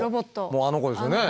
もうあの子ですよね。